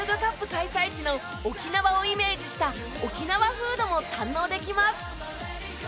開催地の沖縄をイメージした沖縄フードも堪能できます。